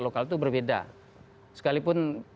lokal itu berbeda sekalipun